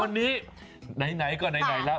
วันนี้ไหนก็ไหนแล้ว